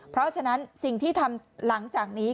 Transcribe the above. เพราะฉะนั้นสิ่งที่ทำหลังจากนี้